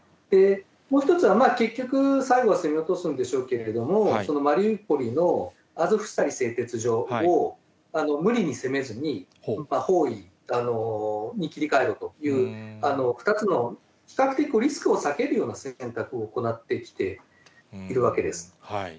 もう一つは結局、最後は攻め落とすんでしょうけれども、マリウポリのアゾフスタリ製鉄所を無理に攻めずに、包囲に切り替えるという２つの比較的リスクを避けるような選択を行ってきているわけです。